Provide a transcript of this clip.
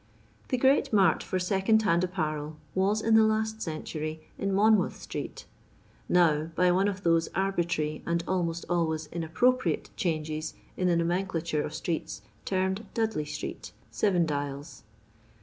The great mart for second hand apparel was, in the last century, in Monmouth street ; now, by one of those arbitrary, and almost always inappropriate, changes in the nonienchiture of streets, termed Dudley street, Seven Dials.